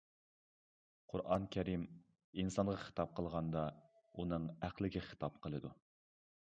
قۇرئان كەرىم ئىنسانغا خىتاب قىلغاندا ئۇنىڭ ئەقلىگە خىتاب قىلىدۇ.